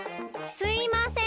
すいません！